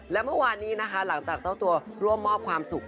และเมื่อวานนี้นะคะหลังจากเจ้าตัวร่วมมอบความสุข